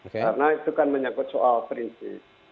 karena itu kan menyangkut soal prinsip